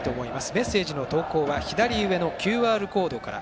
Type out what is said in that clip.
メッセージの投稿は左上のＱＲコードから。